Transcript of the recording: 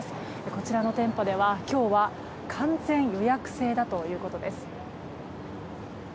こちらの店舗では今日は完全予約制だということです。